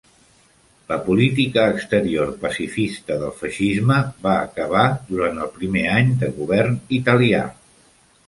La política exterior pacifista del feixisme va acabar durant el primer any de govern italià.